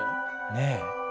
ねえ。